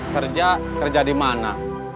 kerja kerja di mana